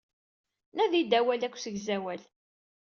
Nadi-d awal-a deg usegzawal.